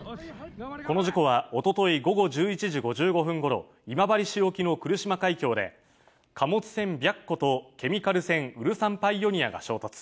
この事故は一昨日午後１１時５５分ごろ今治市沖の来島海峡で貨物船「白虎」とケミカル船「ウルサン・パイオニア」が衝突。